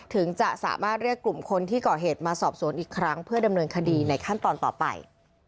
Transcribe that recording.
ถึงจะสามารถเรียกกลุ่มคนที่ก่อเหตุมาสอบสวนอีกครั้งเพื่อดำเนินคดีในขั้นตอนต่อไป